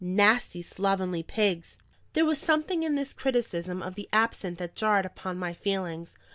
Nasty, slovenly pigs!" There was something in this criticism of the absent that jarred upon my feelings.